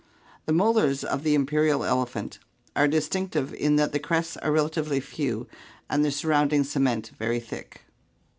The mo lars of the imperial elephant are distinctive in that the crests are relatively few and the surrounding cement very thick.